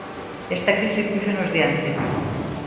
Esta crise púxonos diante.